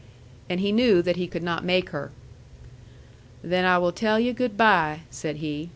And he knew that he could not make her. "Then I will tell yu' good by," said he.